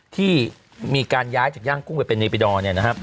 ที่มีการย้ายจากย่างกุ้งไปเป็นเนปิดอร์